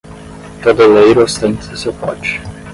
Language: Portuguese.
Todo oleiro ostenta seu pote.